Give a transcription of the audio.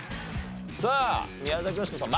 さあ宮崎美子さん。